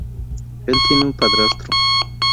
Él tiene un padrastro.